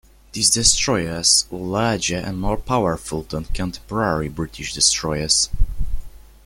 These destroyers were larger and more powerful that contemporary British destroyers.